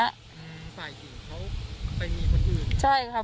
ฝ่ายหญิงเขาไปมีคนอื่น